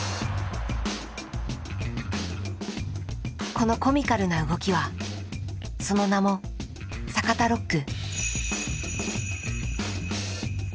このコミカルな動きはその名も「坂田ロック」。